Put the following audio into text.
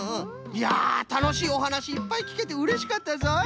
いやたのしいおはなしいっぱいきけてうれしかったぞい。